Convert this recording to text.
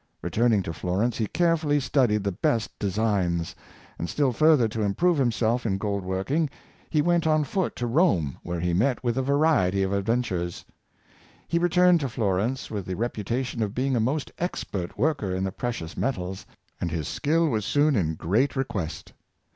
Returning to Florence, he carefully studied the best designs; and, still further to improve himself in gold working, he went on foot to Rome, where he met with a variety of adventures. He returned to Florence with the repu tation of being a most expert worker in the precious metals, and his skill was soon in great request.